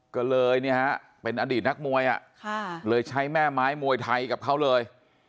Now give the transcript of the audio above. ก็เลยเนี่ยฮะเป็นอดีตนักมวยเลยใช้แม่ไม้มวยไทยกับเขาเลย